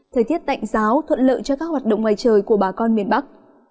thời tiết tạnh giáo thuận lợi cho các hoạt động ngoài trời của bà con miền bắc